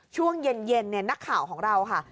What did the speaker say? ช่วงเย็นนักข่าวของเราค่ะ